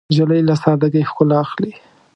نجلۍ له سادګۍ ښکلا اخلي.